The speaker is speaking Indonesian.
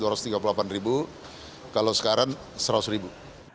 dua ribu delapan belas dua ratus tiga puluh delapan ribu kalau sekarang seratus ribu